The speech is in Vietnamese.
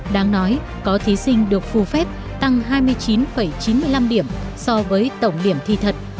đáng nói có thí sinh được phù phép tăng hai mươi chín chín mươi năm điểm so với tổng điểm thi thật